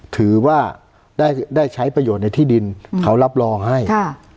ถือว่าได้ได้ใช้ประโยชน์ในที่ดินเขารับรองให้ค่ะ